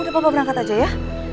udah papa berangkat saja ya